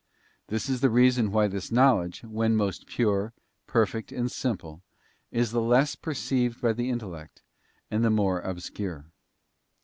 This is the reason why this knowledge, when most pure, perfect, and simple, is the less perceived by the intellect, and the more obscure.